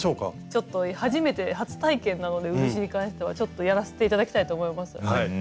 ちょっと初めて初体験なので漆に関してはちょっとやらせて頂きたいと思います。